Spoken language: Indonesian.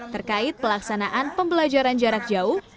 terkait pelaksanaan pembelajaran jarak jauh